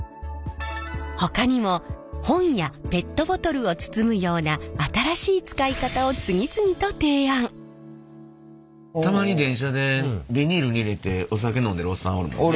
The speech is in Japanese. ほかにも本やペットボトルを包むようなたまに電車でビニールに入れてお酒飲んでるおっさんおるもんね。